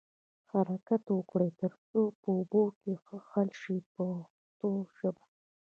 حرکت ورکړئ تر څو په اوبو کې ښه حل شي په پښتو ژبه.